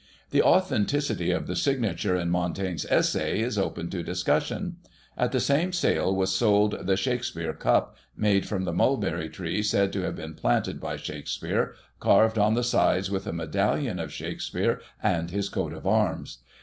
The authenticity of the signature in Montaigne's Essays is open to discussion. At the same sale was sold " the Shakspere Cup," made from the mulberry tree said to have been planted by Shakspere, carved on the sides with a medallion of Shakspere, and his Coat of Arms.